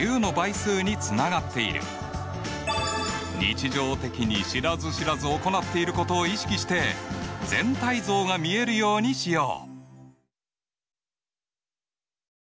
日常的に知らず知らず行っていることを意識して全体像が見えるようにしよう。